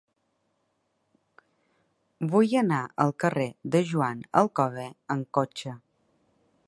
Vull anar al carrer de Joan Alcover amb cotxe.